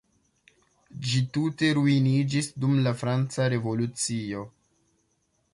Ĝi tute ruiniĝis dum la franca revolucio.